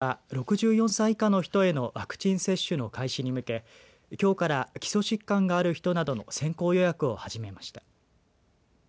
総社市は６４歳以下の人へのワクチン接種の開始に向けきょうから基礎疾患がある人などの先行予約を始めました。